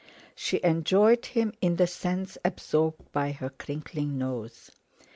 She enjoyed him in the scents absorbed by her crinkling nose.